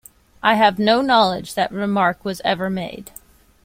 I have no knowledge that remark was ever made.